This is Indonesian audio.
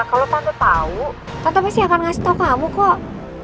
kalau tante tahu tante pasti akan ngasih tau kamu kok